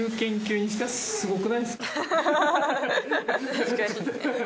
確かに。